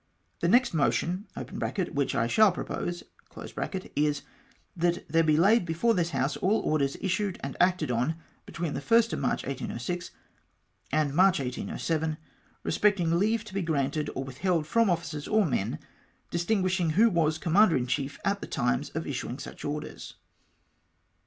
"'The next motion (which I shall propose) is — "That there be laid before this House all orders issued and acted on between the 1st of March, 1806, and March, 1807, respecting leave to be granted or withheld from officers or men, dis tinguishing who was Commander in chief at the times of issuing such orders."